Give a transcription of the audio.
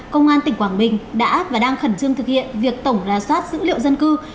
công an tỉnh quảng bình đã và đang khẩn trương thực hiện việc tổng ra soát dữ liệu dân cư